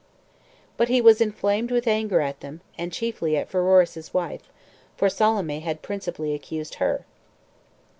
2. But he was inflamed with anger at them, and chiefly at Pheroras's wife; for Salome had principally accused her.